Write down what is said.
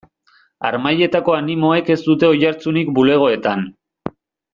Harmailetako animoek ez dute oihartzunik bulegoetan.